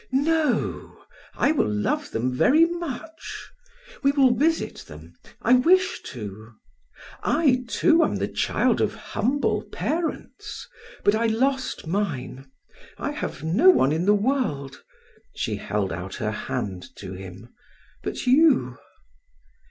"No, I will love them very much. We will visit them; I wish to. I, too, am the child of humble parents but I lost mine I have no one in the world" she held out her hand to him "but you."